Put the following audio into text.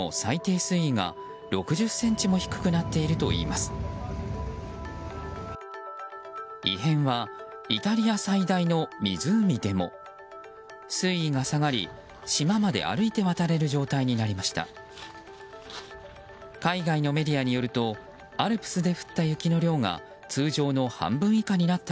水位が下がり、島まで歩いて渡れる状態になりました。